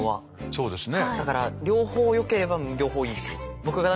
そうですね。